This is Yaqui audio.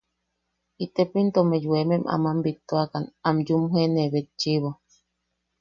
¡Itepo into ime yoemem aman bittuakan am yumjoene betchiʼibo!